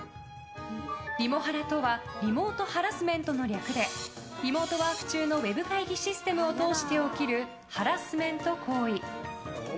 リモハラとはリモートハラスメントの略でリモートワーク中のウェブ会議システムを通して起きるハラスメント行為。